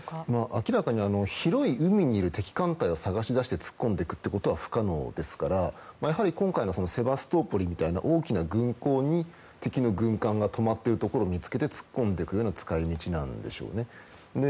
明らかに広い海にいる敵艦隊を探し出して突っ込んでいくということは不可能ですから、やはり今回はセバストポリみたいな大きな軍港に敵の軍艦が止まっているところに突っ込んでいくような使い道なんでしょうね。